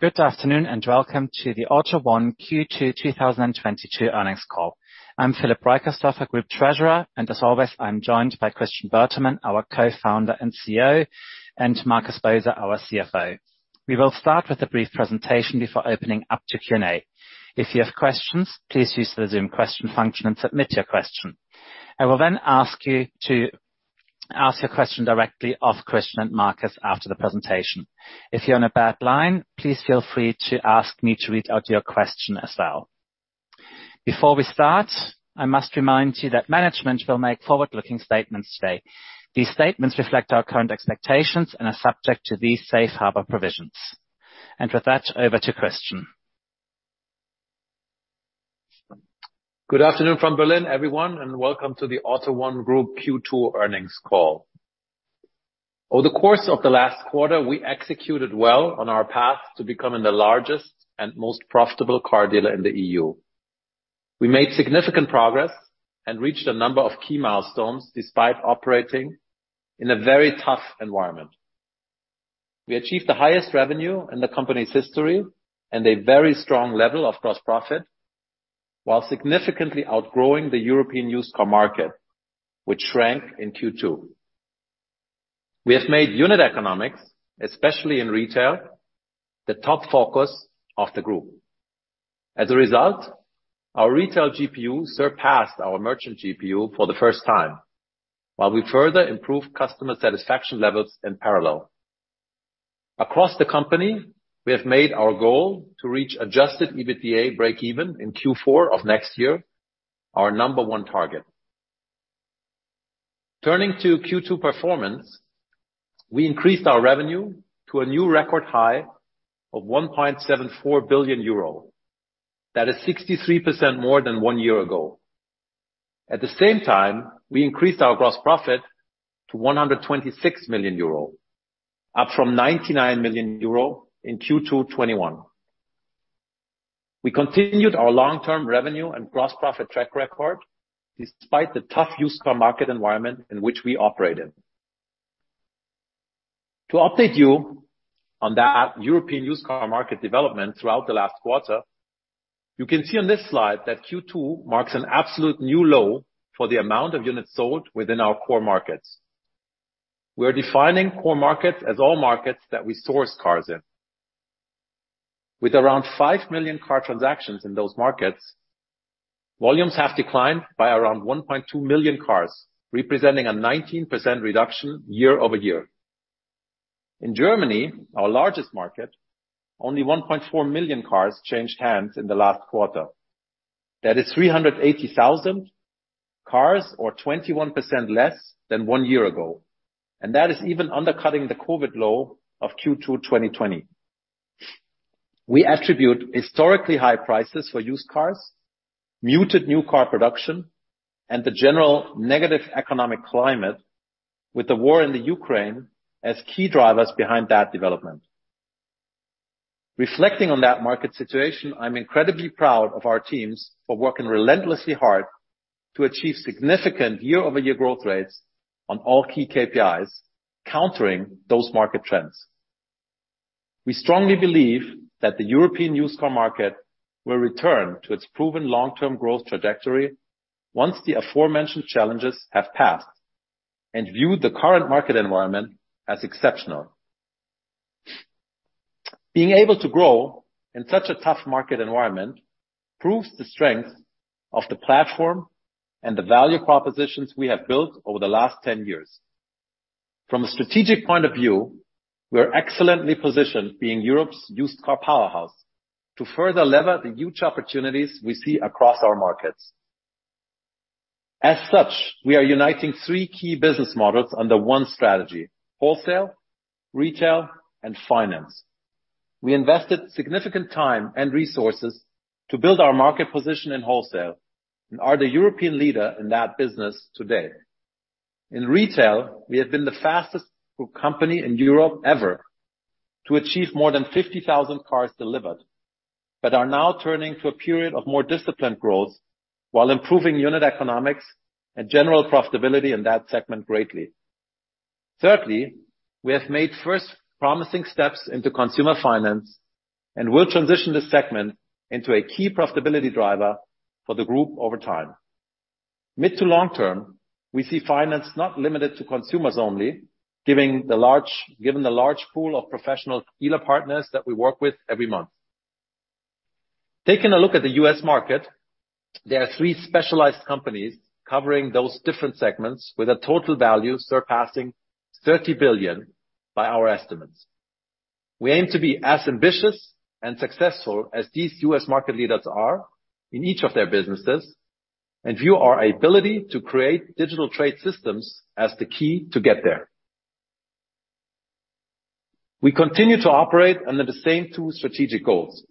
Good afternoon, and welcome to the AUTO1 Q2 2022 Earnings Call. I'm Philip Reicherstorfer, our Group Treasurer, and as always, I'm joined by Christian Bertermann, our Co-founder and CEO, and Markus Boser, our CFO. We will start with a brief presentation before opening up to Q&A. If you have questions, please use the Zoom question function and submit your question. I will then ask you to ask your question directly of Christian and Markus after the presentation. If you're on a bad line, please feel free to ask me to read out your question as well. Before we start, I must remind you that management will make forward-looking statements today. These statements reflect our current expectations and are subject to these safe harbor provisions. With that, over to Christian. Good afternoon from Berlin, everyone, and welcome to the AUTO1 Group Q2 Earnings Call. Over the course of the last quarter, we executed well on our path to becoming the largest and most profitable car dealer in the Europe. We made significant progress and reached a number of key milestones despite operating in a very tough environment. We achieved the highest revenue in the company's history and a very strong level of gross profit, while significantly outgrowing the European used car market, which shrank in Q2. We have made unit economics, especially in retail, the top focus of the group. As a result, our retail GPU surpassed our merchant GPU for the first time, while we further improved customer satisfaction levels in parallel. Across the company, we have made our goal to reach adjusted EBITDA breakeven in Q4 of next year our number one target. Turning to Q2 performance, we increased our revenue to a new record high of 1.74 billion euro. That is 63% more than one year ago. At the same time, we increased our gross profit to 126 million euro, up from 99 million euro in Q2 2021. We continued our long-term revenue and gross profit track record despite the tough used car market environment in which we operate in. To update you on that European used car market development throughout the last quarter, you can see on this slide that Q2 marks an absolute new low for the amount of units sold within our core markets. We're defining core markets as all markets that we source cars in. With around 5 million car transactions in those markets, volumes have declined by around 1.2 million cars, representing a 19% reduction year-over-year. In Germany, our largest market, only 1.4 million cars changed hands in the last quarter. That is 380,000 cars or 21% less than one year ago. That is even undercutting the COVID low of Q2 2020. We attribute historically high prices for used cars, muted new car production, and the general negative economic climate with the war in Ukraine as key drivers behind that development. Reflecting on that market situation, I'm incredibly proud of our teams for working relentlessly hard to achieve significant year-over-year growth rates on all key KPIs, countering those market trends. We strongly believe that the European used car market will return to its proven long-term growth trajectory once the aforementioned challenges have passed and view the current market environment as exceptional. Being able to grow in such a tough market environment proves the strength of the platform and the value propositions we have built over the last 10 years. From a strategic point of view, we are excellently positioned being Europe's used car powerhouse to further leverage the huge opportunities we see across our markets. As such, we are uniting three key business models under one strategy, wholesale, retail, and finance. We invested significant time and resources to build our market position in wholesale and are the European leader in that business today. In retail, we have been the fastest group company in Europe ever to achieve more than 50,000 cars delivered, but are now turning to a period of more disciplined growth while improving unit economics and general profitability in that segment greatly. Thirdly, we have made first promising steps into consumer finance and will transition the segment into a key profitability driver for the group over time. Mid to long term, we see finance not limited to consumers only, given the large pool of professional dealer partners that we work with every month. Taking a look at the U.S. market, there are three specialized companies covering those different segments with a total value surpassing 30 billion by our estimates. We aim to be as ambitious and successful as these U.S. market leaders are in each of their businesses and view our ability to create digital trade systems as the key to get there. We continue to operate under the same two strategic goals.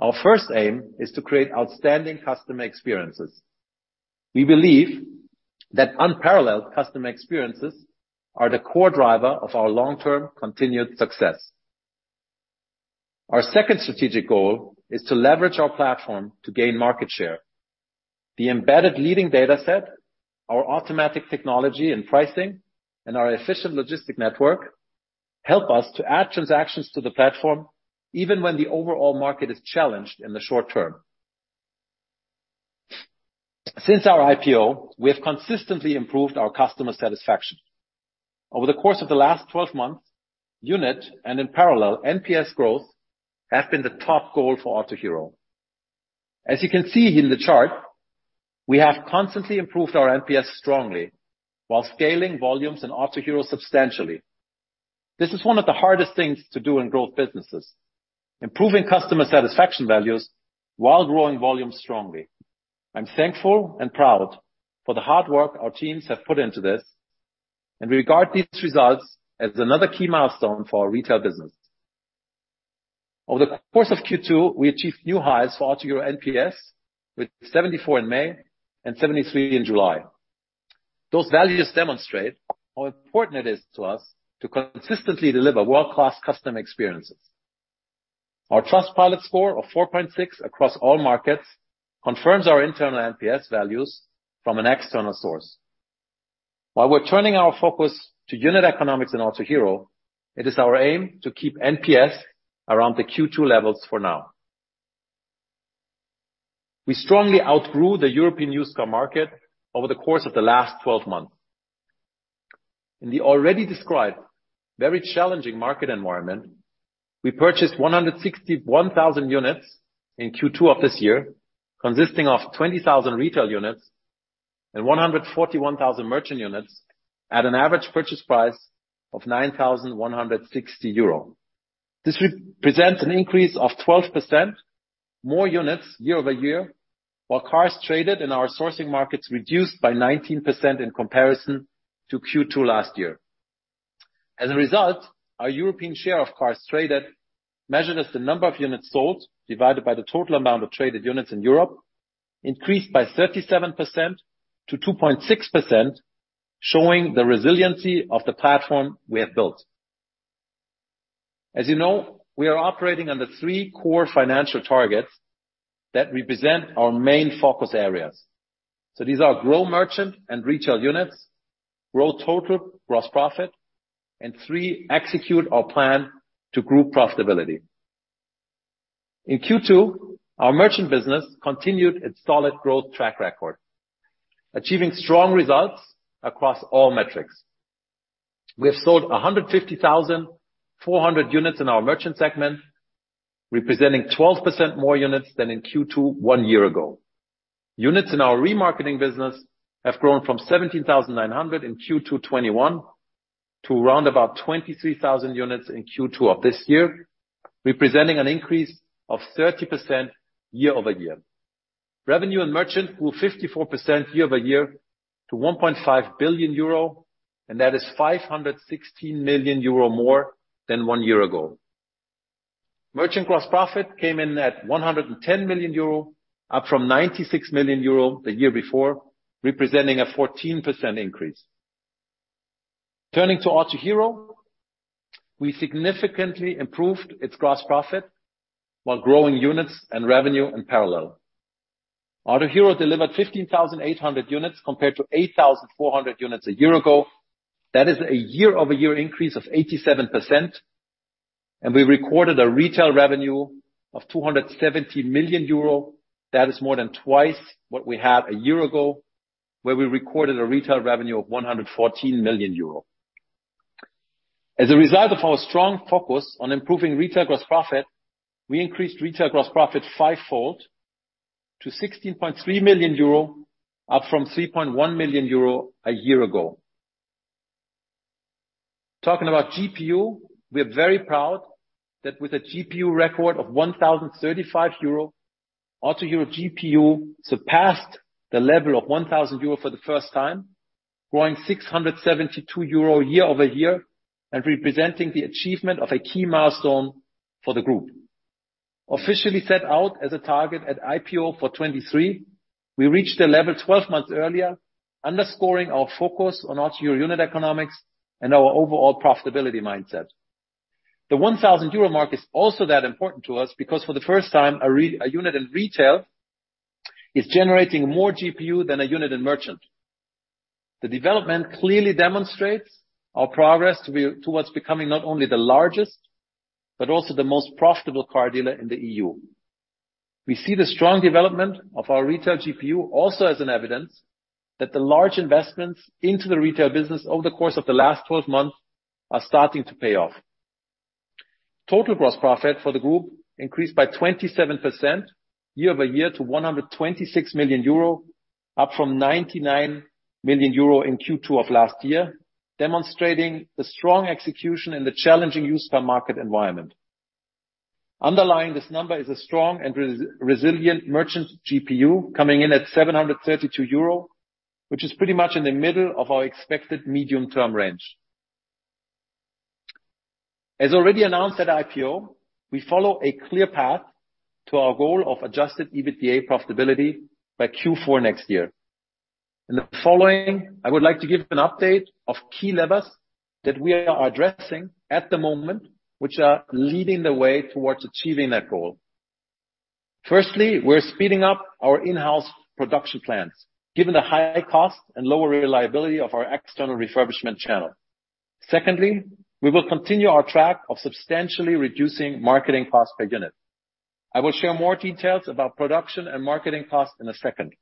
Our first aim is to create outstanding customer experiences. We believe that unparalleled customer experiences are the core driver of our long-term continued success. Our second strategic goal is to leverage our platform to gain market share. The embedded leading data set, our automatic technology and pricing, and our efficient logistics network help us to add transactions to the platform even when the overall market is challenged in the short term. Since our IPO, we have consistently improved our customer satisfaction. Over the course of the last 12 months, unit, and in parallel, NPS growth have been the top goal for Autohero. As you can see in the chart, we have constantly improved our NPS strongly while scaling volumes in Autohero substantially. This is one of the hardest things to do in growth businesses, improving customer satisfaction values while growing volumes strongly. I'm thankful and proud for the hard work our teams have put into this, and we regard these results as another key milestone for our retail business. Over the course of Q2, we achieved new highs for Autohero NPS with 74 in May and 73 in July. Those values demonstrate how important it is to us to consistently deliver world-class customer experiences. Our Trustpilot score of 4.6 across all markets confirms our internal NPS values from an external source. While we're turning our focus to unit economics in Autohero, it is our aim to keep NPS around the Q2 levels for now. We strongly outgrew the European used car market over the course of the last 12 months. In the already described very challenging market environment, we purchased 161,000 units in Q2 of this year, consisting of 20,000 retail units and 141,000 merchant units at an average purchase price of 9,160 euro. This represents an increase of 12% more units year-over-year, while cars traded in our sourcing markets reduced by 19% in comparison to Q2 last year. As a result, our European share of cars traded, measured as the number of units sold, divided by the total amount of traded units in Europe, increased by 37% to 2.6%, showing the resiliency of the platform we have built. As you know, we are operating under three core financial targets that represent our main focus areas. These are grow Merchant and Retail units, grow total gross profit, and three, execute our plan to Group profitability. In Q2, our Merchant business continued its solid growth track record, achieving strong results across all metrics. We have sold 150,400 units in our Merchant segment, representing 12% more units than in Q2 one year ago. Units in our remarketing business have grown from 17,900 in Q2 2021 to round about 23,000 units in Q2 of this year, representing an increase of 30% year-over-year. Revenue in Merchant grew 54% year-over-year to 1.5 billion euro, and that is 516 million euro more than one year ago. Merchant gross profit came in at 110 million euro, up from 96 million euro the year before, representing a 14% increase. Turning to Autohero, we significantly improved its gross profit while growing units and revenue in parallel. Autohero delivered 15,800 units compared to 8,400 units a year ago. That is a year-over-year increase of 87%, and we recorded a retail revenue of 270 million euro. That is more than twice what we had a year ago, where we recorded a retail revenue of 114 million euro. As a result of our strong focus on improving retail gross profit, we increased retail gross profit five-fold to 16.3 million euro, up from 3.1 million euro a year ago. Talking about GPU, we're very proud that with a GPU record of 1,035 euro, Autohero GPU surpassed the level of 1,000 euro for the first time, growing 672 euro year-over-year and representing the achievement of a key milestone for the group. Officially set out as a target at IPO for 2023, we reached the level 12 months earlier, underscoring our focus on Autohero unit economics and our overall profitability mindset. The 1,000 euro mark is also that important to us because for the first time, a unit in Retail is generating more GPU than a unit in Merchant. The development clearly demonstrates our progress towards becoming not only the largest, but also the most profitable car dealer in the EU. We see the strong development of our retail GPU also as an evidence that the large investments into the retail business over the course of the last twelve months are starting to pay off. Total gross profit for the group increased by 27% year-over-year to 126 million euro, up from 99 million euro in Q2 of last year, demonstrating the strong execution in the challenging used car market environment. Underlying this number is a strong and resilient merchant GPU coming in at 732 euro, which is pretty much in the middle of our expected medium-term range. As already announced at IPO, we follow a clear path to our goal of adjusted EBITDA profitability by Q4 next year. In the following, I would like to give an update of key levers that we are addressing at the moment, which are leading the way towards achieving that goal. Firstly, we're speeding up our in-house production plans, given the high cost and lower reliability of our external refurbishment channel. Secondly, we will continue our track of substantially reducing marketing cost per unit. I will share more details about production and marketing costs in a second.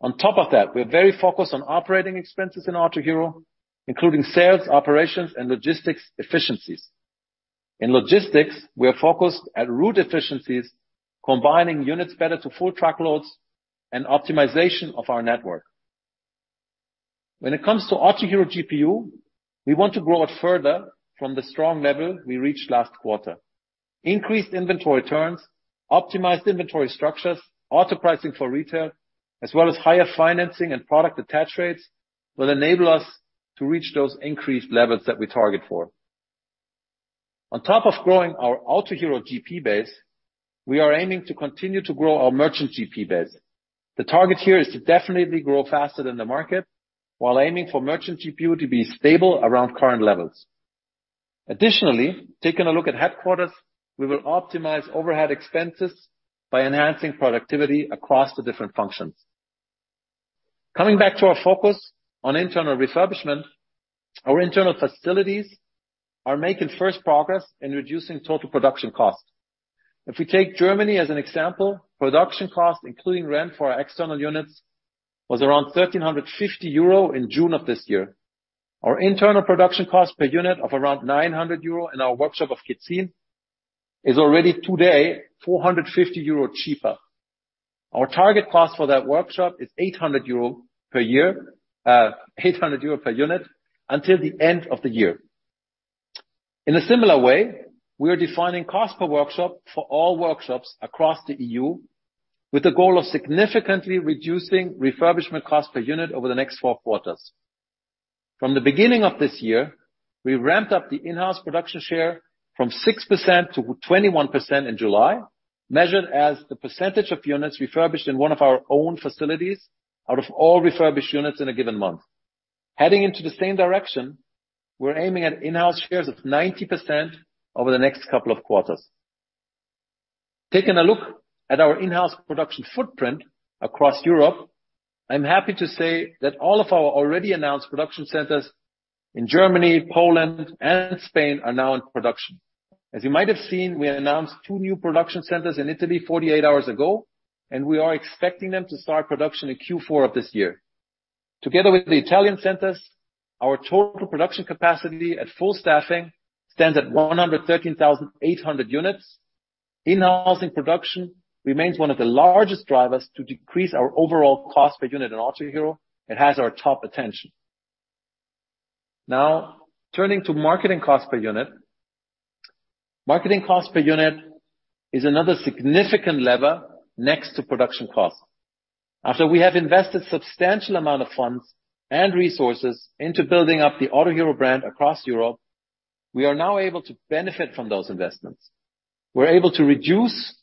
On top of that, we're very focused on operating expenses in Autohero, including sales, operations, and logistics efficiencies. In logistics, we are focused on route efficiencies, combining units better to full truckloads and optimization of our network. When it comes to Autohero GPU, we want to grow it further from the strong level we reached last quarter. Increased inventory turns, optimized inventory structures, auto pricing for retail, as well as higher financing and product attach rates, will enable us to reach those increased levels that we target for. On top of growing our Autohero GP base, we are aiming to continue to grow our merchant GP base. The target here is to definitely grow faster than the market while aiming for merchant GPU to be stable around current levels. Additionally, taking a look at headquarters, we will optimize overhead expenses by enhancing productivity across the different functions. Coming back to our focus on internal refurbishment, our internal facilities are making first progress in reducing total production costs. If we take Germany as an example, production costs, including rent for our external units, was around 1,350 euro in June of this year. Our internal production cost per unit of around 900 euro in our workshop of Kitzingen is already today 450 euro cheaper. Our target cost for that workshop is 800 euro per unit until the end of the year. In a similar way, we are defining cost per workshop for all workshops across the EU with the goal of significantly reducing refurbishment cost per unit over the next four quarters. From the beginning of this year, we ramped up the in-house production share from 6%-21% in July, measured as the percentage of units refurbished in one of our own facilities out of all refurbished units in a given month. Heading into the same direction, we're aiming at in-house shares of 90% over the next couple of quarters. Taking a look at our in-house production footprint across Europe, I'm happy to say that all of our already announced production centers in Germany, Poland, and Spain are now in production. As you might have seen, we announced two new production centers in Italy 48 hours ago, and we are expecting them to start production in Q4 of this year. Together with the Italian centers, our total production capacity at full staffing stands at 113,800 units. In-house production remains one of the largest drivers to decrease our overall cost per unit in Autohero. It has our top attention. Now, turning to marketing cost per unit. Marketing cost per unit is another significant lever next to production costs. After we have invested substantial amount of funds and resources into building up the Autohero brand across Europe, we are now able to benefit from those investments. We're able to reduce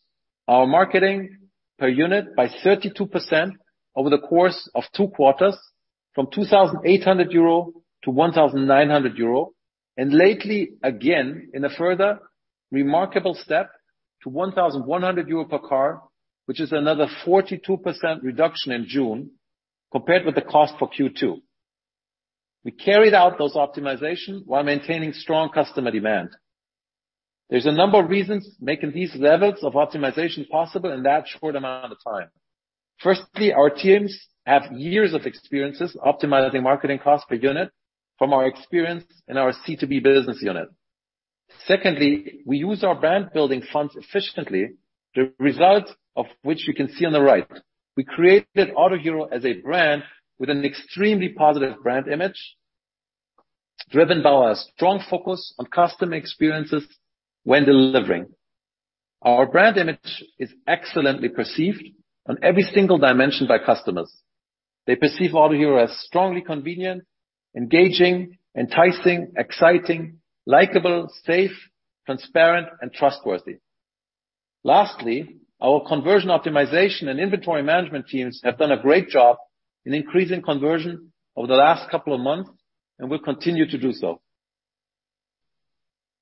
our marketing per unit by 32% over the course of two quarters from 2,800-1,900 euro. Lately, again, in a further remarkable step to 1,100 euro per car, which is another 42% reduction in June compared with the cost for Q2. We carried out those optimization while maintaining strong customer demand. There's a number of reasons making these levels of optimization possible in that short amount of time. Firstly, our teams have years of experiences optimizing marketing cost per unit from our experience in our C2B business unit. Secondly, we use our brand-building funds efficiently, the results of which you can see on the right. We created Autohero as a brand with an extremely positive brand image driven by our strong focus on customer experiences when delivering. Our brand image is excellently perceived on every single dimension by customers. They perceive Autohero as strongly convenient, engaging, enticing, exciting, likable, safe, transparent, and trustworthy. Lastly, our conversion optimization and inventory management teams have done a great job in increasing conversion over the last couple of months, and will continue to do so.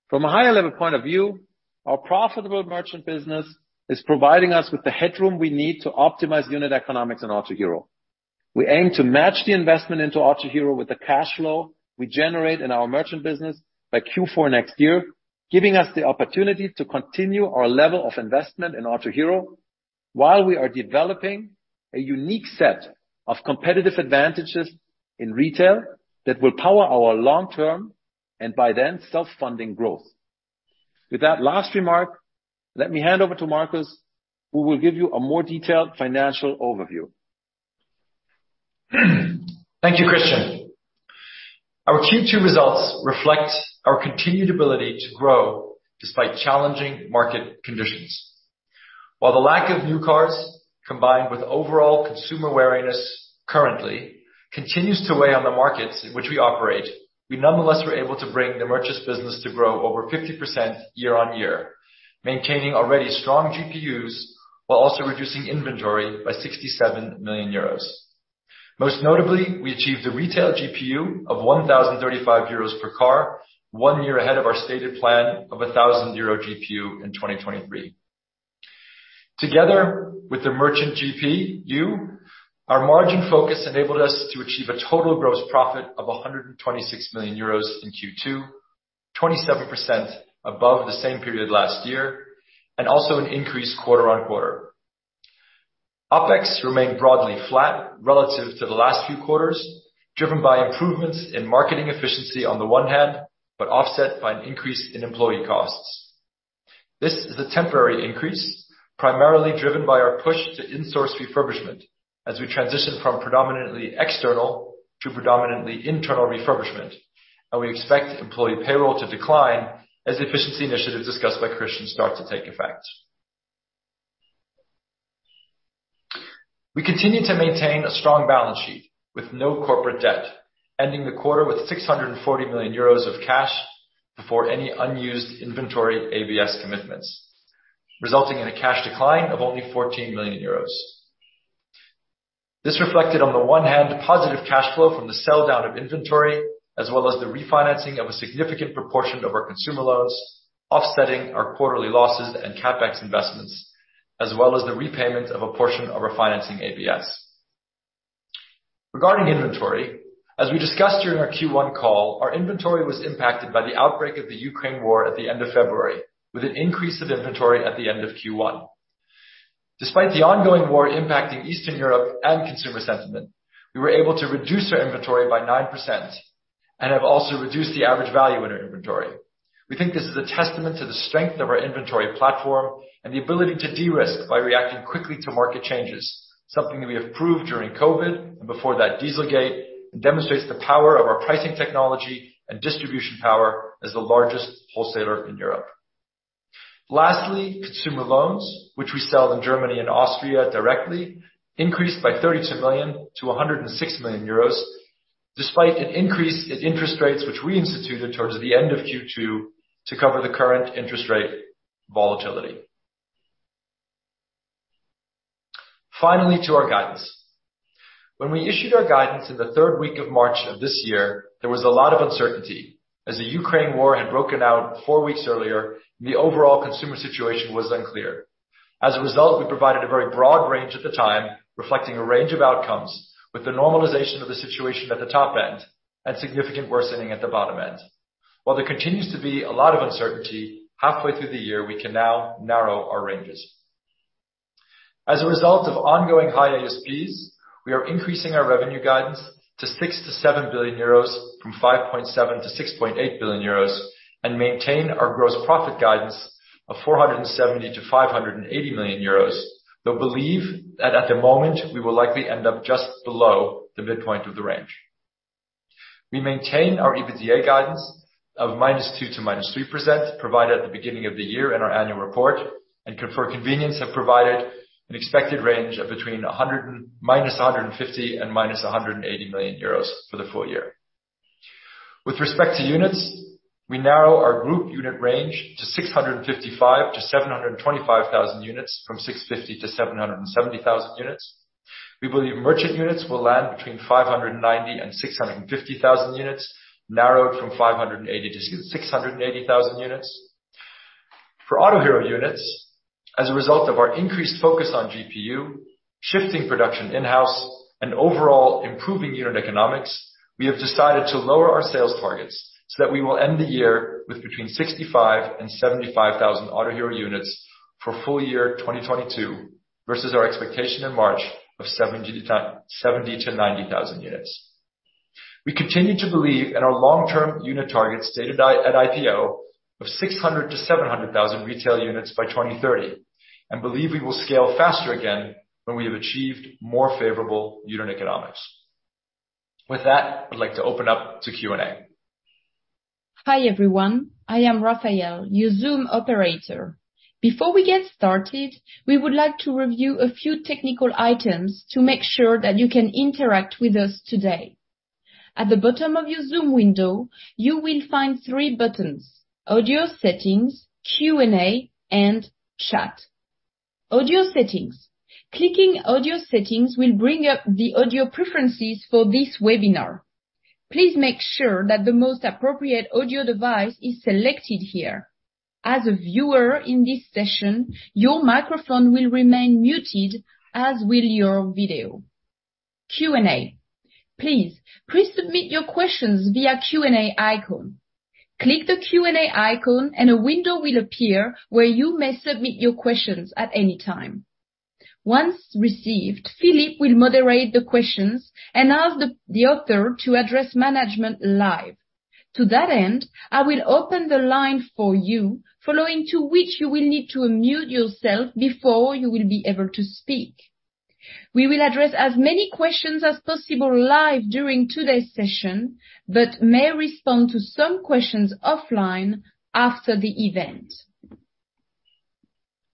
From a higher level point of view, our profitable merchant business is providing us with the headroom we need to optimize unit economics in Autohero. We aim to match the investment into Autohero with the cash flow we generate in our merchant business by Q4 next year, giving us the opportunity to continue our level of investment in Autohero while we are developing a unique set of competitive advantages in retail that will power our long-term and by then self-funding growth. With that last remark, let me hand over to Markus, who will give you a more detailed financial overview. Thank you, Christian. Our Q2 results reflect our continued ability to grow despite challenging market conditions. While the lack of new cars, combined with overall consumer wariness currently. Continues to weigh on the markets in which we operate. We nonetheless were able to bring the merchant business to grow over 50% year-on-year, maintaining already strong GPUs while also reducing inventory by 67 million euros. Most notably, we achieved a retail GPU of 1,035 euros per car, one year ahead of our stated plan of a 1,000 euro GPU in 2023. Together with the merchant GPU, our margin focus enabled us to achieve a total gross profit of 126 million euros in Q2, 27% above the same period last year, and also an increase quarter-on-quarter. OPEX remained broadly flat relative to the last few quarters, driven by improvements in marketing efficiency on the one hand, but offset by an increase in employee costs. This is a temporary increase, primarily driven by our push to insource refurbishment as we transition from predominantly external to predominantly internal refurbishment, and we expect employee payroll to decline as efficiency initiatives discussed by Christian start to take effect. We continue to maintain a strong balance sheet with no corporate debt, ending the quarter with 640 million euros of cash before any unused inventory ABS commitments, resulting in a cash decline of only 14 million euros. This reflected, on the one hand, positive cash flow from the sell-down of inventory, as well as the refinancing of a significant proportion of our consumer loans, offsetting our quarterly losses and CapEx investments, as well as the repayment of a portion of refinancing ABS. Regarding inventory, as we discussed during our Q1 call, our inventory was impacted by the outbreak of the Ukraine war at the end of February, with an increase of inventory at the end of Q1. Despite the ongoing war impacting Eastern Europe and consumer sentiment, we were able to reduce our inventory by 9% and have also reduced the average value in our inventory. We think this is a testament to the strength of our inventory platform and the ability to de-risk by reacting quickly to market changes, something that we have proved during COVID, and before that Dieselgate, and demonstrates the power of our pricing technology and distribution power as the largest wholesaler in Europe. Lastly, consumer loans, which we sell in Germany and Austria directly, increased by 32 million-106 million euros, despite an increase in interest rates, which we instituted towards the end of Q2 to cover the current interest rate volatility. Finally, to our guidance. When we issued our guidance in the third week of March of this year, there was a lot of uncertainty as the Ukraine war had broken out four weeks earlier and the overall consumer situation was unclear. As a result, we provided a very broad range at the time, reflecting a range of outcomes, with the normalization of the situation at the top end and significant worsening at the bottom end. While there continues to be a lot of uncertainty, halfway through the year, we can now narrow our ranges. As a result of ongoing high ASPs, we are increasing our revenue guidance to 6 billion-7 billion euros from 5.7 billion-6.8 billion euros, and maintain our gross profit guidance of 470 million-580 million euros. We believe that at the moment we will likely end up just below the midpoint of the range. We maintain our EBITDA guidance of -2% to -3% provided at the beginning of the year in our annual report, and for convenience, have provided an expected range of between minus 150 million and minus 180 million euros for the full year. With respect to units, we narrow our group unit range to 655,000-725,000 units from 650,000-770,000 units. We believe merchant units will land between 590,000-650,000 units, narrowed from 580,000-680,000 units. For Autohero units, as a result of our increased focus on GPU, shifting production in-house, and overall improving unit economics, we have decided to lower our sales targets so that we will end the year with between 65,000-75,000 Autohero units for full year 2022 versus our expectation in March of 70,000-90,000 units. We continue to believe in our long-term unit targets stated at IPO of 600,000-700,000 retail units by 2030, and believe we will scale faster again when we have achieved more favorable unit economics. With that, I'd like to open up to Q&A. Hi, everyone. I am Raphael, your Zoom operator. Before we get started, we would like to review a few technical items to make sure that you can interact with us today. At the bottom of your Zoom window, you will find three buttons: Audio Settings, Q&A, and Chat. Audio Settings. Clicking Audio Settings will bring up the audio preferences for this webinar. Please make sure that the most appropriate audio device is selected here. As a viewer in this session, your microphone will remain muted, as will your video. Q&A. Please submit your questions via Q&A icon. Click the Q&A icon and a window will appear where you may submit your questions at any time. Once received, Philip will moderate the questions and ask the author to address management live. To that end, I will open the line for you, following which you will need to unmute yourself before you will be able to speak. We will address as many questions as possible live during today's session, but may respond to some questions offline after the event.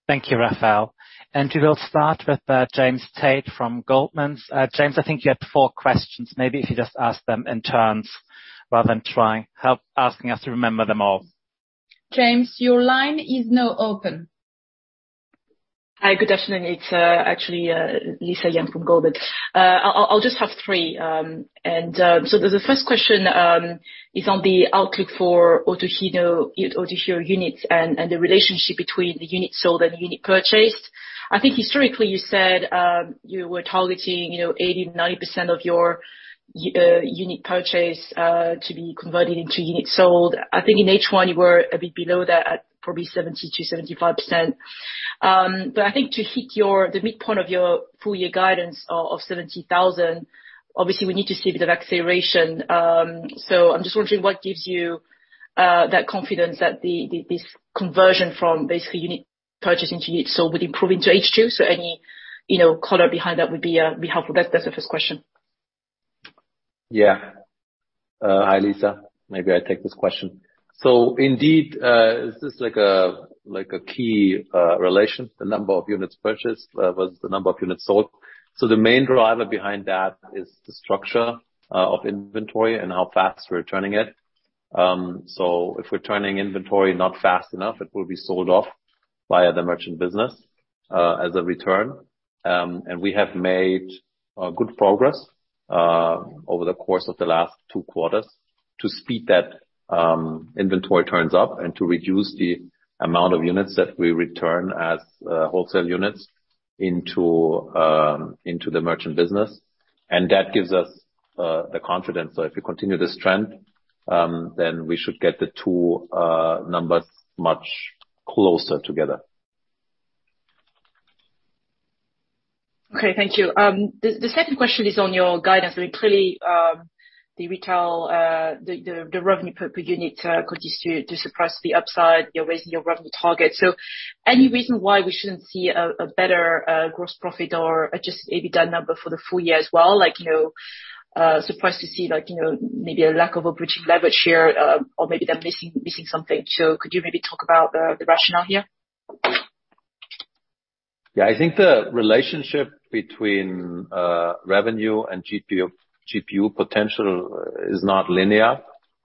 Thank you, Raphael. We will start with James Tate from Goldman Sachs. James, I think you had four questions. Maybe if you just ask them in turns rather than trying to have us remember them all. James, your line is now open. Hi, good afternoon. It's actually Lisa Yang from Goldman. I'll just have three. The first question is on the outlook for Autohero units and the relationship between the units sold and unit purchased. I think historically you said you were targeting 80%-90% of your unit purchase to be converted into units sold. I think in H1 you were a bit below that at probably 70%-75%. But I think to hit the midpoint of your full year guidance of 70,000, obviously we need to see a bit of acceleration. I'm just wondering what gives you that confidence that this conversion from basically unit purchase into units sold would improve into H2? Any, you know, color behind that would be helpful. That's the first question. Yeah. Hi, Lisa. Maybe I take this question. Indeed, is this like a key relation, the number of units purchased versus the number of units sold? The main driver behind that is the structure of inventory and how fast we're turning it. If we're turning inventory not fast enough, it will be sold off via the merchant business as a return. We have made good progress over the course of the last two quarters to speed that inventory turns up and to reduce the amount of units that we return as wholesale units into the merchant business. That gives us the confidence that if we continue this trend, then we should get the two numbers much closer together. Okay, thank you. The second question is on your guidance. I mean, clearly, the retail, the revenue per unit continues to suppress the upside. You're raising your revenue target. Any reason why we shouldn't see a better gross profit or just maybe that number for the full year as well? Like, you know, surprised to see like, you know, maybe a lack of operating leverage here, or maybe I'm missing something. Could you maybe talk about the rationale here? Yeah. I think the relationship between revenue and GPU potential is not linear.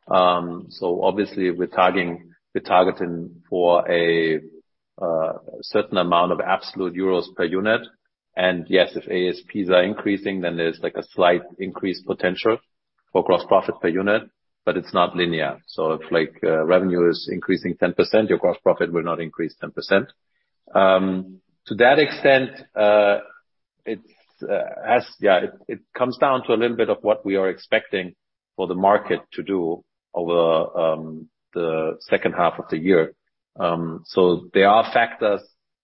Obviously we're targeting for a certain amount of absolute euros per unit. Yes, if ASPs are increasing, then there's like a slight increase potential for gross profit per unit, but it's not linear. If like revenue is increasing 10%, your gross profit will not increase 10%. To that extent, it comes down to a little bit of what we are expecting for the market to do over the second half of the year. There are factors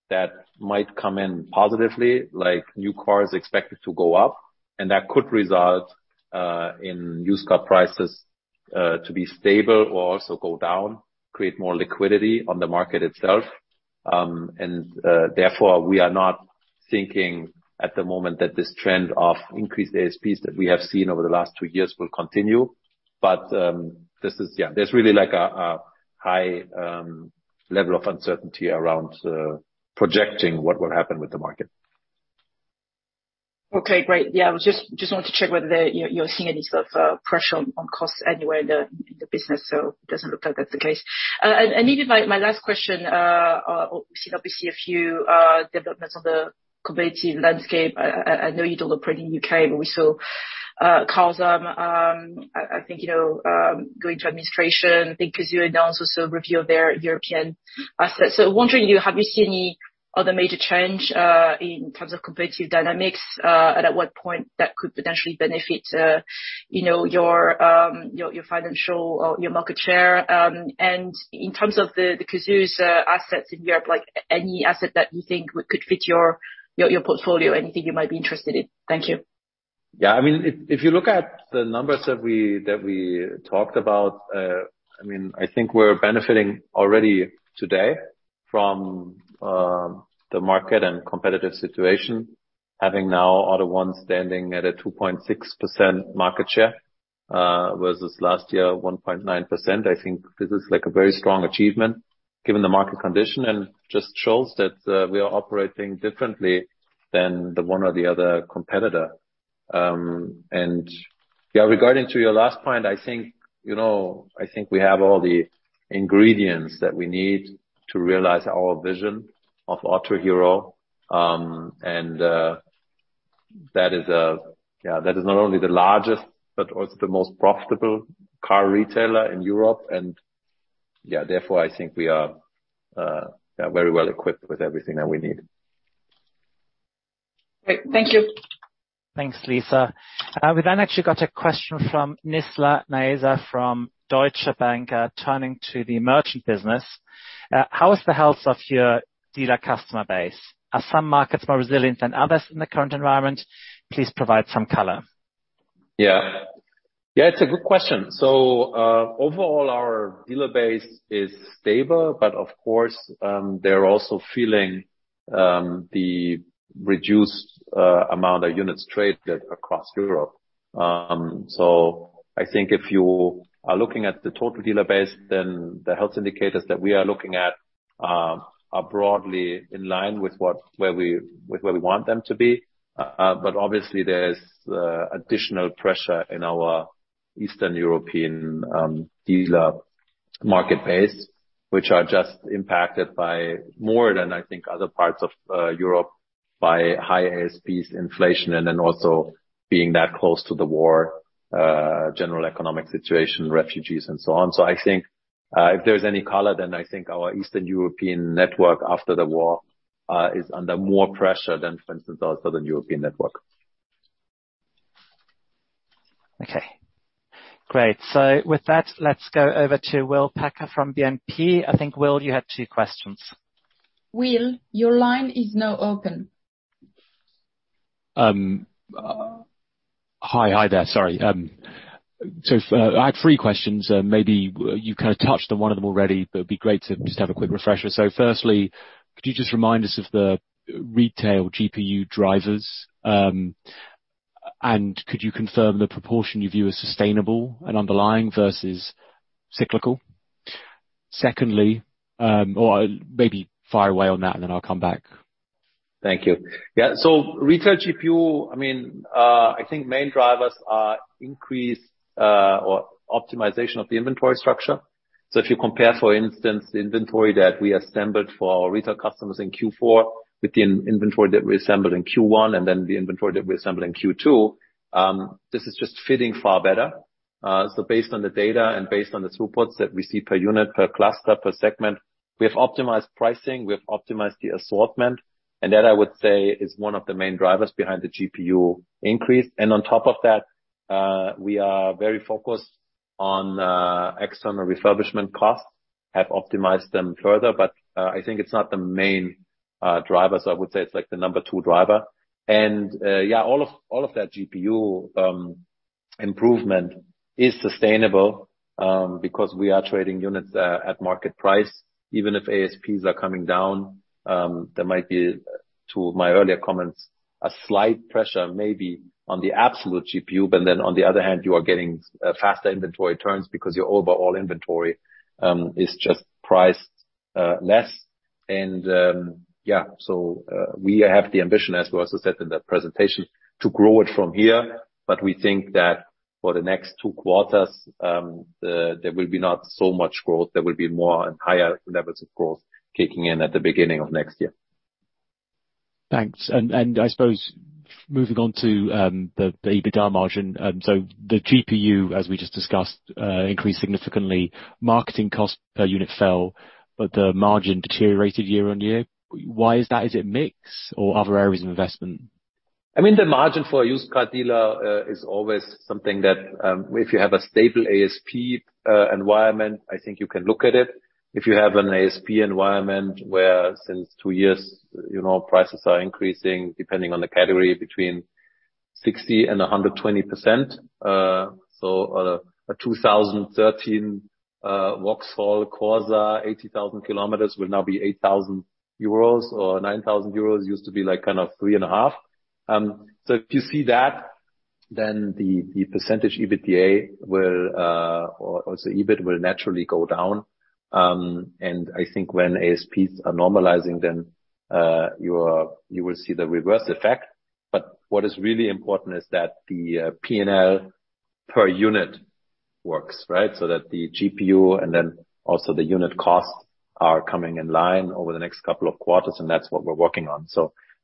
that might come in positively, like new cars expected to go up, and that could result in used car prices to be stable or also go down, create more liquidity on the market itself. Therefore we are not thinking at the moment that this trend of increased ASPs that we have seen over the last two years will continue. This is, yeah, there's really like a high level of uncertainty around projecting what will happen with the market. Okay, great. Yeah, I just wanted to check whether you're seeing any sort of pressure on costs anywhere in the business. It doesn't look like that's the case. Even my last question, we've seen obviously a few developments on the competitive landscape. I know you don't operate in U.K., but we saw Cazoo, I think, you know, going to administration. I think Cazoo announced also a review of their European assets. Wondering, you know, have you seen any other major change in terms of competitive dynamics, and at what point that could potentially benefit, you know, your financial or your market share? In terms of the Cazoo's assets in Europe, like any asset that you think could fit your portfolio? Anything you might be interested in? Thank you. Yeah. I mean, if you look at the numbers that we talked about, I mean, I think we're benefiting already today from the market and competitive situation. Having now AUTO1 standing at a 2.6% market share versus last year, 1.9%. I think this is like a very strong achievement given the market condition and just shows that we are operating differently than the one or the other competitor. Yeah, regarding to your last point, I think, you know, I think we have all the ingredients that we need to realize our vision of Autohero. That is not only the largest but also the most profitable car retailer in Europe. Yeah, therefore I think we are very well equipped with everything that we need. Great. Thank you. Thanks, Lisa. We actually got a question from Nizla Naizer from Deutsche Bank, turning to the merchant business. How is the health of your dealer customer base? Are some markets more resilient than others in the current environment? Please provide some color. Yeah. Yeah, it's a good question. Overall, our dealer base is stable, but of course, they're also feeling the reduced amount of units traded across Europe. I think if you are looking at the total dealer base, then the health indicators that we are looking at are broadly in line with where we want them to be. Obviously there's additional pressure in our Eastern European dealer market base, which are just impacted by more than I think other parts of Europe by high ASPs inflation and then also being that close to the war, general economic situation, refugees and so on. I think if there's any color, then I think our Eastern European network after the war is under more pressure than, for instance, our Southern European network. Okay, great. With that, let's go over to Will Packer from BNP. I think, Will, you had two questions. Will, your line is now open. Hi there. Sorry. I have three questions. Maybe you kind of touched on one of them already, but it'd be great to just have a quick refresher. Firstly, could you just remind us of the retail GPU drivers, and could you confirm the proportion you view as sustainable and underlying versus cyclical? Secondly, or maybe fire away on that, and then I'll come back. Thank you. Yeah. Retail GPU, I mean, I think main drivers are increased, or optimization of the inventory structure. If you compare, for instance, the inventory that we assembled for our retail customers in Q4 with the inventory that we assembled in Q1, and then the inventory that we assembled in Q2, this is just fitting far better. Based on the data and based on the supports that we see per unit, per cluster, per segment, we have optimized pricing, we have optimized the assortment. That, I would say, is one of the main drivers behind the GPU increase. On top of that, we are very focused on external refurbishment costs, have optimized them further, but I think it's not the main driver. I would say it's like the number two driver. All of that GPU improvement is sustainable because we are trading units at market price. Even if ASPs are coming down, there might be, to my earlier comments, a slight pressure maybe on the absolute GPU, but then on the other hand you are getting faster inventory turns because your overall inventory is just priced less. We have the ambition, as we also said in that presentation, to grow it from here, but we think that for the next two quarters there will be not so much growth. There will be more and higher levels of growth kicking in at the beginning of next year. Thanks. I suppose moving on to the EBITDA margin. The GPU, as we just discussed, increased significantly. Marketing cost per unit fell, but the margin deteriorated year-over-year. Why is that? Is it mix or other areas of investment? I mean, the margin for a used car dealer is always something that if you have a stable ASP environment, I think you can look at it. If you have an ASP environment where since two years, you know, prices are increasing, depending on the category, between 60%-120%, so a 2013 Vauxhall Corsa, 80,000 km will now be 8,000 euros or 9,000 euros. Used to be like kind of 3,500. So if you see that, then the percentage EBITDA will or the EBIT will naturally go down. I think when ASPs are normalizing, then you will see the reverse effect. What is really important is that the P&L per unit works, right? That the GPU and then also the unit costs are coming in line over the next couple of quarters, and that's what we're working on.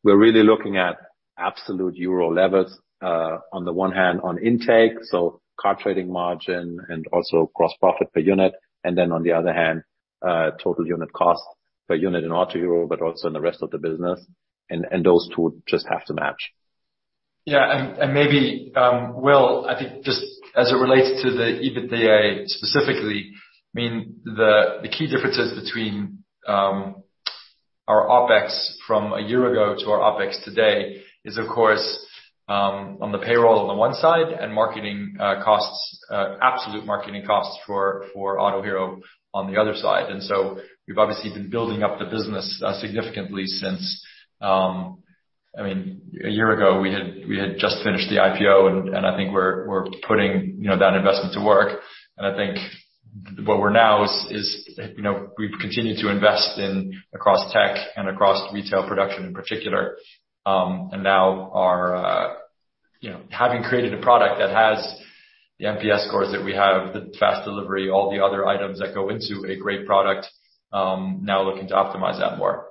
We're really looking at absolute euro levels, on the one hand on intake, so car trading margin and also gross profit per unit. And then on the other hand, total unit cost per unit in Autohero, but also in the rest of the business. And those two just have to match. Maybe Will, I think just as it relates to the EBITDA specifically. I mean, the key differences between our OPEX from a year ago to our OPEX today is of course on the payroll on the one side and marketing costs, absolute marketing costs for Autohero on the other side. We've obviously been building up the business significantly since, I mean, a year ago we had just finished the IPO, and I think we're putting, you know, that investment to work. I think where we're now is, you know, we've continued to invest in across tech and across retail production in particular. Now, you know, having created a product that has the NPS scores that we have, the fast delivery, all the other items that go into a great product, now looking to optimize that more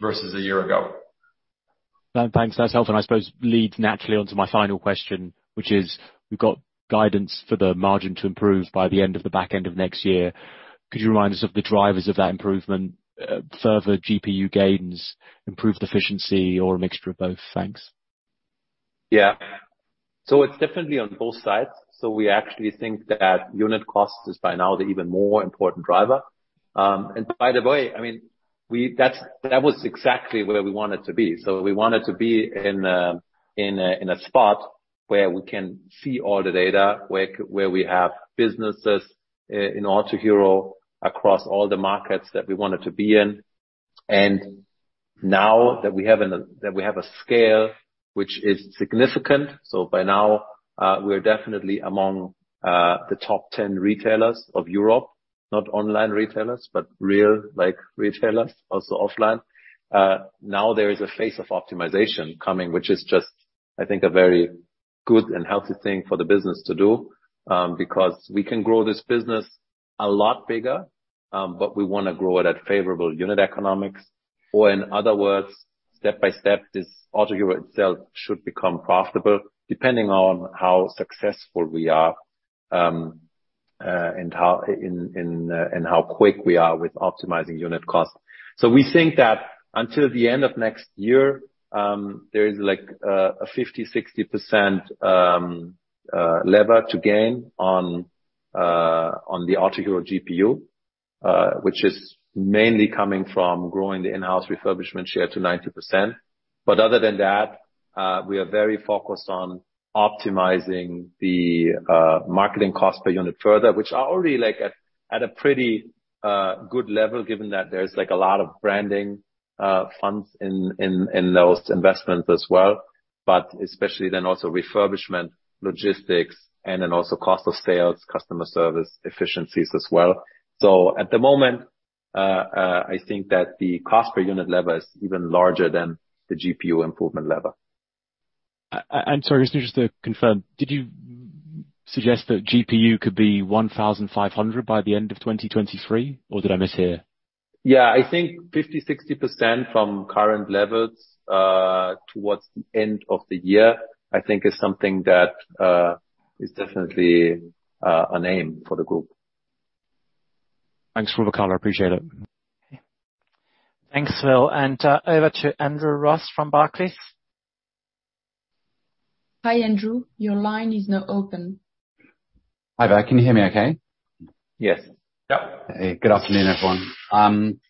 versus a year ago. Thanks. That's helpful. I suppose leads naturally on to my final question, which is we've got guidance for the margin to improve by the end of the back end of next year. Could you remind us of the drivers of that improvement? Further GPU gains, improved efficiency or a mixture of both? Thanks. Yeah. It's definitely on both sides. We actually think that unit cost is by now the even more important driver. By the way, I mean, that was exactly where we wanted to be. We wanted to be in a spot where we can see all the data, where we have businesses in Autohero across all the markets that we wanted to be in. Now that we have a scale which is significant. By now, we are definitely among the top 10 retailers of Europe, not online retailers, but real, like, retailers, also offline. Now there is a phase of optimization coming, which is just, I think, a very good and healthy thing for the business to do, because we can grow this business a lot bigger, but we wanna grow it at favorable unit economics. Or in other words, step by step, this Autohero itself should become profitable, depending on how successful we are, and how quick we are with optimizing unit costs. We think that until the end of next year, there is like, a 50%-60% lever to gain on the Autohero GPU, which is mainly coming from growing the in-house refurbishment share to 90%. Other than that, we are very focused on optimizing the marketing cost per unit further, which are already, like, at a pretty good level, given that there's, like, a lot of branding funds in those investments as well, but especially then also refurbishment, logistics and then also cost of sales, customer service efficiencies as well. At the moment, I think that the cost per unit level is even larger than the GPU improvement level. I'm sorry, just to confirm, did you suggest that GPU could be 1,500 by the end of 2023 or did I mishear? Yeah. I think 50%-60% from current levels toward the end of the year, I think is something that is definitely an aim for the group. Thanks, Christian. I appreciate it. Thanks, Will. Over to Andrew Ross from Barclays. Hi, Andrew. Your line is now open. Hi there. Can you hear me okay? Yes. Yeah. Good afternoon, everyone.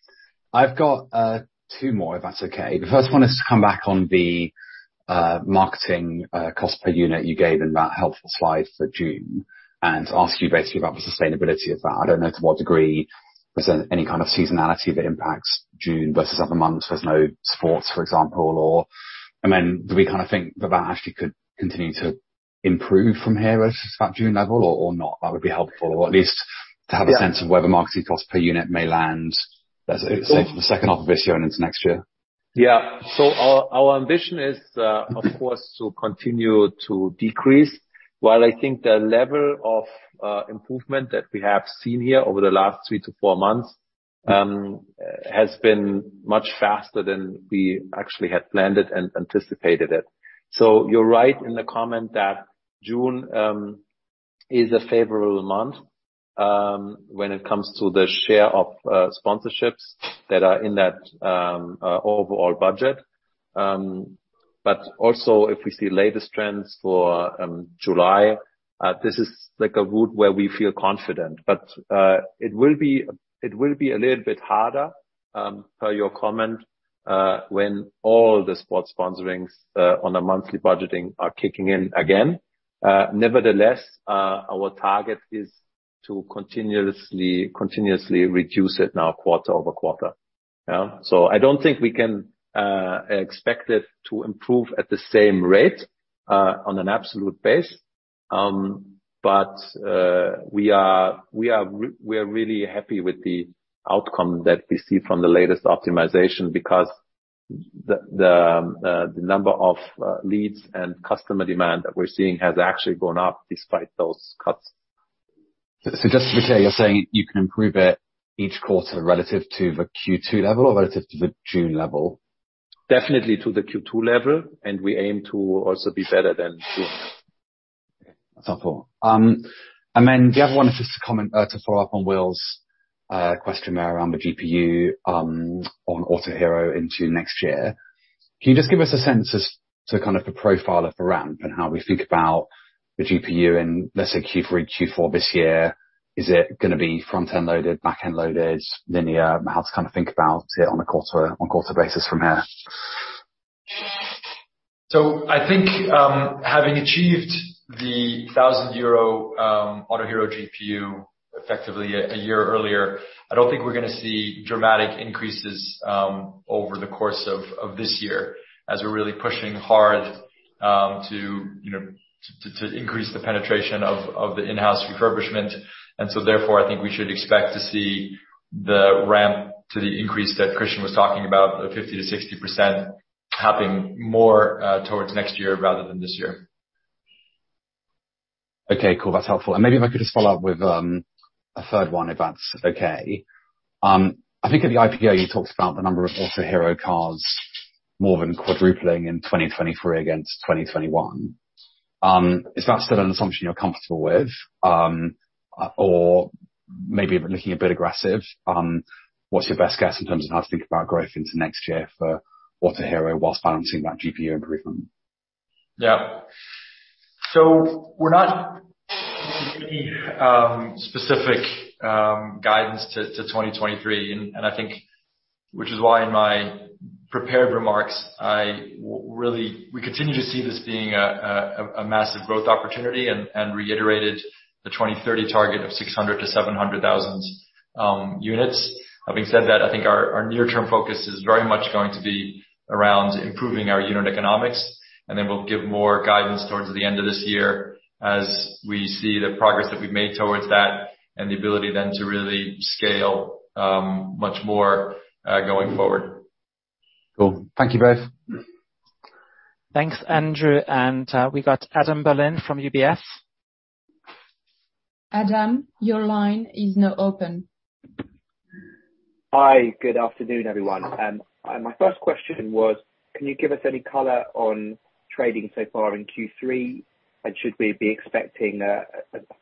I've got two more, if that's okay. The first one is to come back on the marketing cost per unit you gave in that helpful slide for June and ask you basically about the sustainability of that. I don't know to what degree there's any kind of seasonality that impacts June versus other months. There's no sports, for example. Do we kinda think that that actually could continue to improve from here at that June level or not? That would be helpful or at least to have a sense. Yeah. of where the marketing cost per unit may land, let's say, for the second half of this year and into next year. Yeah. Our ambition is, of course, to continue to decrease. While I think the level of improvement that we have seen here over the last three to four months has been much faster than we actually had planned it and anticipated it. You're right in the comment that June is a favorable month when it comes to the share of sponsorships that are in that overall budget. Also if we see latest trends for July, this is like a route where we feel confident. It will be a little bit harder per your comment when all the sports sponsorships on a monthly budgeting are kicking in again. Nevertheless, our target is to continuously reduce it now quarter-over-quarter. Yeah. I don't think we can expect it to improve at the same rate on an absolute base. We are really happy with the outcome that we see from the latest optimization because the number of leads and customer demand that we're seeing has actually gone up despite those cuts. Just to be clear, you're saying you can improve it each quarter relative to the Q2 level or relative to the June level? Definitely to the Q2 level, and we aim to also be better than June. That's helpful. The other one is just a comment to follow up on Will's question there around the GPU on Autohero into next year. Can you just give us a sense as to kind of the profile of the ramp and how we think about the GPU in, let's say, Q3, Q4 this year? Is it gonna be front-end loaded, back-end loaded, linear? How to kind of think about it on a quarter-on-quarter basis from here. I think, having achieved the 1,000 euro Autohero GPU effectively a year earlier, I don't think we're gonna see dramatic increases over the course of this year, as we're really pushing hard to, you know, increase the penetration of the in-house refurbishment. Therefore, I think we should expect to see the ramp to the increase that Christian was talking about, the 50%-60% happening more towards next year rather than this year. Okay, cool. That's helpful. Maybe if I could just follow up with a third one, if that's okay. I think at the IPO, you talked about the number of Autohero cars more than quadrupling in 2023 against 2021. Is that still an assumption you're comfortable with? Or maybe looking a bit aggressive, what's your best guess in terms of how to think about growth into next year for Autohero whilst balancing that GPU improvement? Yeah. We're not giving specific guidance to 2023. I think which is why in my prepared remarks we continue to see this being a massive growth opportunity and reiterated the 2030 target of 600,000-700,000 units. Having said that, I think our near-term focus is very much going to be around improving our unit economics, and then we'll give more guidance towards the end of this year as we see the progress that we've made towards that and the ability then to really scale much more going forward. Cool. Thank you both. Thanks, Andrew. We've got Adam Berlin from UBS. Adam, your line is now open. Hi. Good afternoon, everyone. My first question was, can you give us any color on trading so far in Q3? Should we be expecting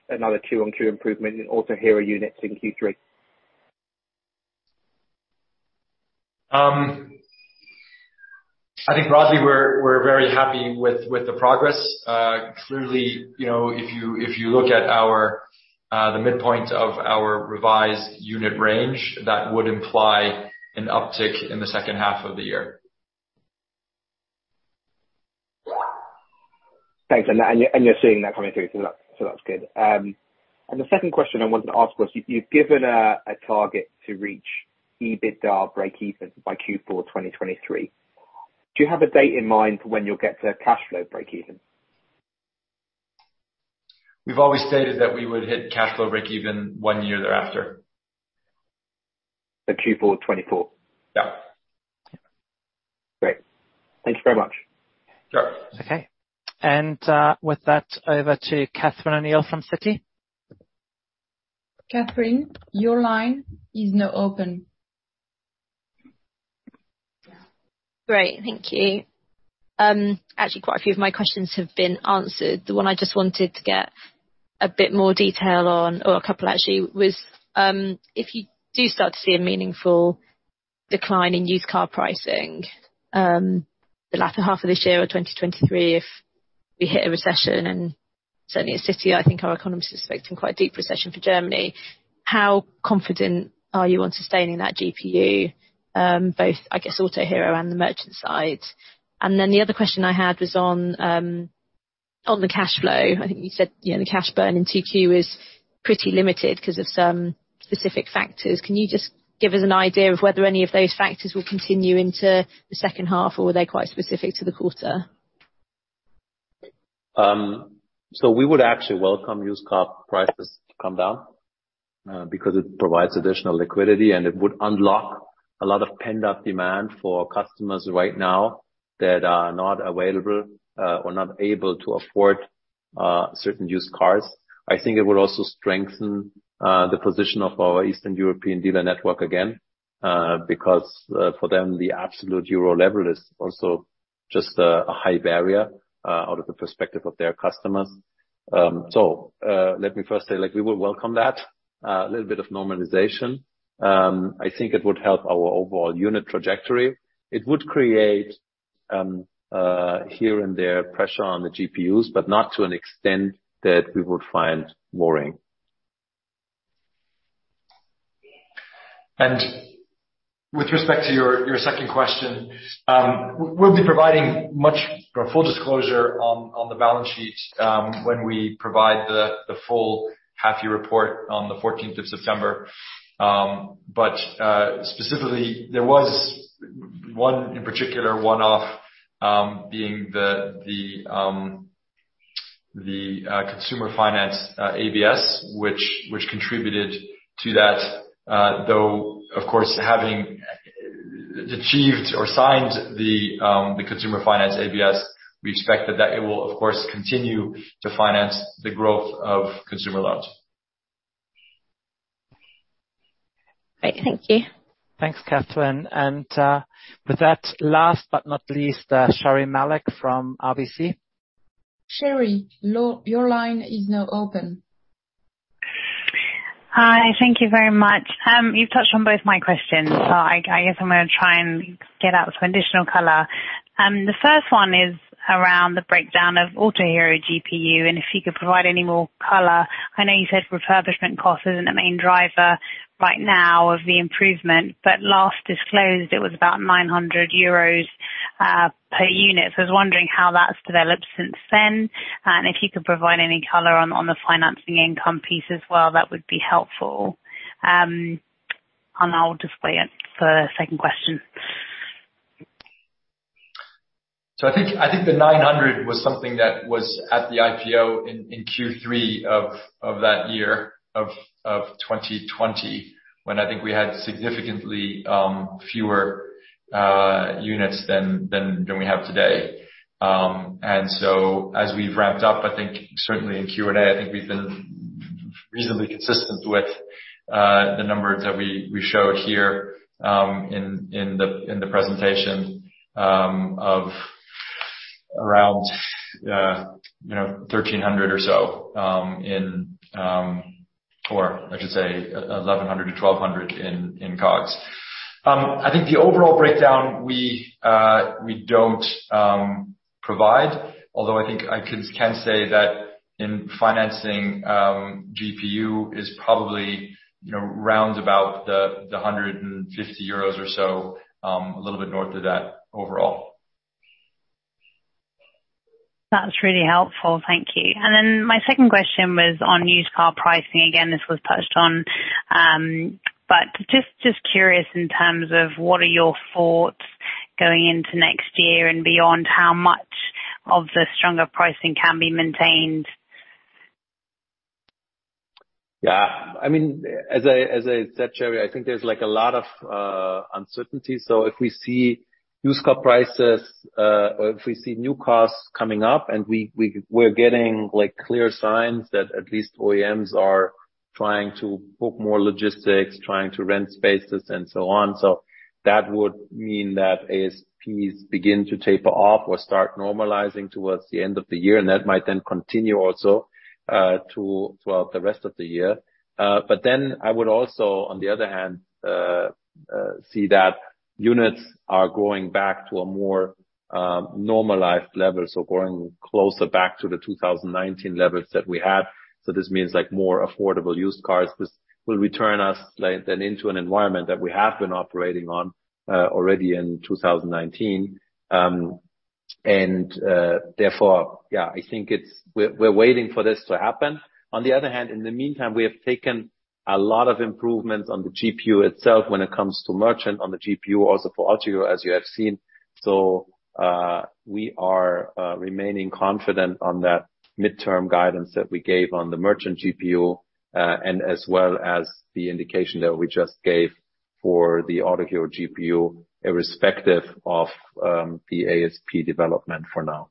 another two on two improvement in Autohero units in Q3? I think broadly we're very happy with the progress. Clearly, you know, if you look at the midpoint of our revised unit range, that would imply an uptick in the second half of the year. Thanks. You're seeing that coming through, so that's good. The second question I wanted to ask was, you've given a target to reach EBITDA breakeven by Q4 2023. Do you have a date in mind for when you'll get to cash flow breakeven? We've always stated that we would hit cash flow breakeven one year thereafter. Q4 2024? Yeah. Great. Thank you very much. Sure. Okay. With that, over to Catherine O'Neill from Citi. Catherine, your line is now open. Great. Thank you. Actually, quite a few of my questions have been answered. The one I just wanted to get a bit more detail on, or a couple actually, was if you do start to see a meaningful decline in used car pricing, the latter half of this year or 2023, if we hit a recession, and certainly at Citi, I think our economists are expecting quite a deep recession for Germany, how confident are you on sustaining that GPU, both, I guess, Autohero and the merchant side? The other question I had was on the cash flow. I think you said, you know, the cash burn in Q2 is pretty limited 'cause of some specific factors. Can you just give us an idea of whether any of those factors will continue into the second half, or were they quite specific to the quarter? We would actually welcome used car prices to come down, because it provides additional liquidity, and it would unlock a lot of pent-up demand for customers right now that are not available, or not able to afford, certain used cars. I think it would also strengthen the position of our Eastern European dealer network again, because for them, the absolute euro level is also just a high barrier out of the perspective of their customers. Let me first say, like, we will welcome that little bit of normalization. I think it would help our overall unit trajectory. It would create here and there pressure on the GPUs, but not to an extent that we would find worrying. With respect to your second question, we'll be providing much or full disclosure on the balance sheet when we provide the full half-year report on the fourteenth of September. Specifically, there was one particular one-off, being the consumer finance ABS, which contributed to that. Though of course, having achieved or signed the consumer finance ABS, we expect that it will, of course, continue to finance the growth of consumer loans. Great. Thank you. Thanks, Catherine. With that, last but not least, Sherri Malek from RBC. Sherri, your line is now open. Hi. Thank you very much. You've touched on both my questions. I guess I'm gonna try and get out some additional color. The first one is around the breakdown of Autohero GPU, and if you could provide any more color. I know you said refurbishment cost isn't a main driver right now of the improvement, but last disclosed it was about 900 euros per unit. I was wondering how that's developed since then. If you could provide any color on the financing income piece as well, that would be helpful. I'll just weigh in for the second question. I think the 900 was something that was at the IPO in Q3 of that year of 2020, when I think we had significantly fewer units than we have today. As we've ramped up, I think certainly in Q&A, I think we've been reasonably consistent with the numbers that we showed here in the presentation of around, you know, 1,300 or so, or I should say 1,100-1,200 in COGS. I think the overall breakdown we don't provide, although I think I can say that in financing, GPU is probably, you know, around about the 150 euros or so, a little bit north of that overall. That's really helpful. Thank you. My second question was on used car pricing. Again, this was touched on, but just curious in terms of what are your thoughts going into next year and beyond how much of the stronger pricing can be maintained? Yeah. I mean, as I said, Sherri, I think there's, like, a lot of uncertainty. If we see used car prices, or if we see new costs coming up and we're getting, like, clear signs that at least OEMs are trying to book more logistics, trying to rent spaces and so on, so that would mean that ASPs begin to taper off or start normalizing towards the end of the year, and that might then continue also, throughout the rest of the year. I would also, on the other hand, see that units are going back to a more normalized level, so going closer back to the 2019 levels that we had. This means, like, more affordable used cars. This will return us, like, then into an environment that we have been operating on already in 2019. Therefore, yeah, I think we're waiting for this to happen. On the other hand, in the meantime, we have taken a lot of improvements on the GPU itself when it comes to merchant on the GPU, also for Autohero, as you have seen. We are remaining confident on that midterm guidance that we gave on the merchant GPU, and as well as the indication that we just gave for the Autohero GPU, irrespective of the ASP development for now.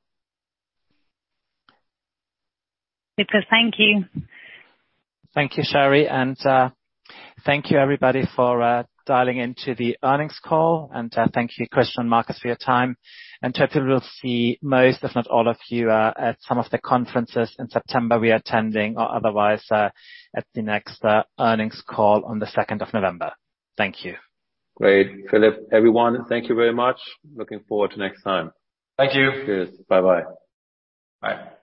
Okay. Thank you. Thank you, Sherri. Thank you everybody for dialing into the earnings call. Thank you, Christian and Markus, for your time. Hopefully we'll see most, if not all of you, at some of the conferences in September we are attending or otherwise, at the next earnings call on the second of November. Thank you. Great. Philip, everyone, thank you very much. Looking forward to next time. Thank you. Cheers. Bye-bye. Bye.